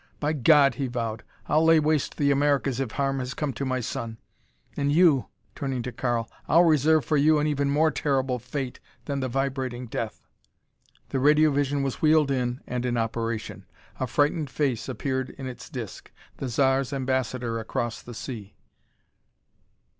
"By God!" he vowed, "I'll lay waste the Americas if harm has come to my son. And you" turning to Karl "I'll reserve for you an even more terrible fate than the vibrating death!" The radiovision was wheeled in and in operation. A frightened face appeared in its disc: the Zar's ambassador across the sea.